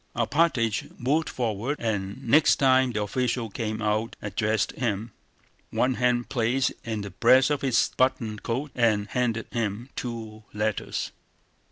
Alpátych moved forward and next time the official came out addressed him, one hand placed in the breast of his buttoned coat, and handed him two letters.